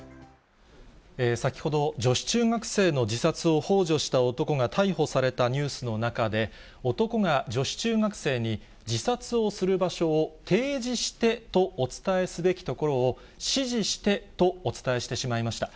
先ほど、女子中学生の自殺をほう助した男が逮捕されたニュースの中で、男が女子中学生に自殺をする場所を提示してとお伝えすべきところを、指示してとお伝えしてしまいました。